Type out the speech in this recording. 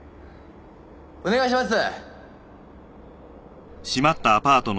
お願いします。